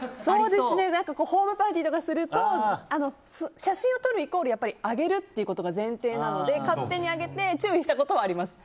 ホームパーティーとかすると写真を撮るイコール上げることが前提なので、勝手に上げて注意したことはあります。